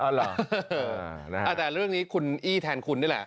อ๋อเหรอนะฮะแต่เรื่องนี้คุณอี้แทนคุณนี่แหละ